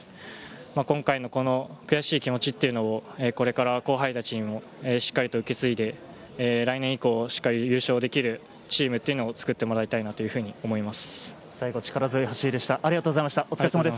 今回の悔しい気持ちをこれから後輩たちにしっかり受け継いで来年以降、優勝できるチームを作ってもらいたいと思います。